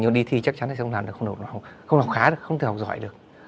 nhưng đi thi chắc chắn là không làm được không học khá được không thể học giỏi được